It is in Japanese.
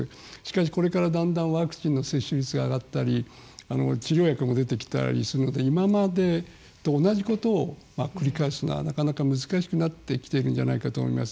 しかし、これからだんだんワクチンの接種率が上がったり治療薬も出てきたりするので今までと同じことを繰り返すのは、なかなか難しくなってきているんじゃないかなと思います。